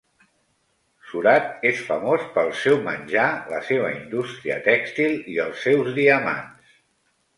Surat és famós pel seu menjar, la seva indústria tèxtil i els seus diamants.